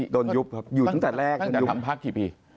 ตอนยุบครับอยู่ตั้งแต่แรกตั้งยุบจากทำภาคที่ปี